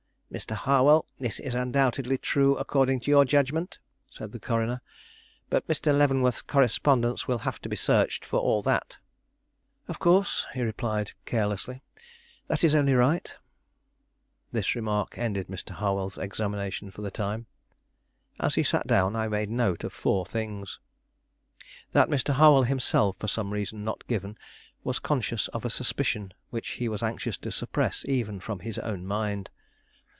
"Mr. Harwell, this is undoubtedly true according to your judgment," said the coroner; "but Mr. Leavenworth's correspondence will have to be searched for all that." "Of course," he replied carelessly; "that is only right." This remark ended Mr. Harwell's examination for the time. As he sat down I made note of four things. That Mr. Harwell himself, for some reason not given, was conscious of a suspicion which he was anxious to suppress even from his own mind.